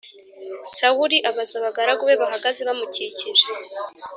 Sawuli abaza abagaragu be bahagaze bamukikije